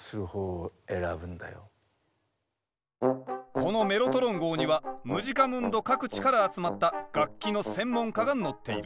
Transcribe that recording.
このメロトロン号にはムジカムンド各地から集まった楽器の専門家が乗っている。